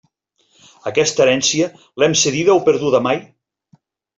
Aquesta herència, ¿l'hem cedida o perduda mai?